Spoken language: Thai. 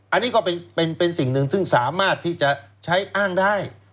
อันนี้ก็เป็นสิ่งหนึ่งซึ่งสามารถที่จะใช้อ้างได้